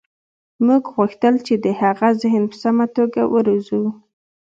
موږ غوښتل چې د هغه ذهن په سمه توګه وروزو